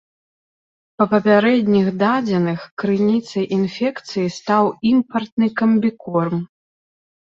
Па папярэдніх дадзеных, крыніцай інфекцыі стаў імпартны камбікорм.